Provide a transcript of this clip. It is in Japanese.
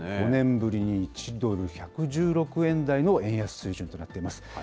５年ぶりに１ドル１１６円台の円安水準となっています。